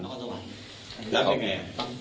รับยังไง